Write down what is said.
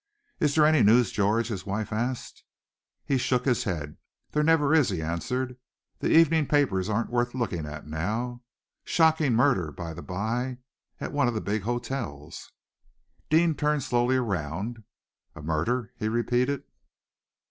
"Is there any news, George?" his wife asked. He shook his head. "There never is," he answered. "The evening papers aren't worth looking at now. Shocking murder, by the bye, at one of the big hotels." Deane turned slowly round. "A murder?" he repeated.